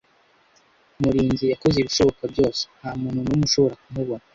Murinzi yakoze ibishoboka byose ntamuntu numwe ushobora kumubona.